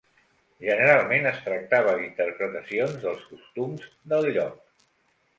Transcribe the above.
Generalment es tractava d'interpretacions dels costums del lloc.